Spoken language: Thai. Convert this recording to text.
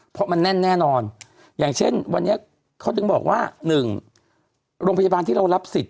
เพราะมันแน่นแน่นอนอย่างเช่นวันนี้เขาถึงบอกว่า๑โรงพยาบาลที่เรารับสิทธิ